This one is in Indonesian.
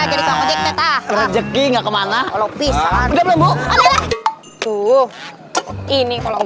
jadi kalau kita rezeki enggak kemana kalau pisang udah belum tuh ini kalau